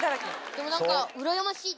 でも何か。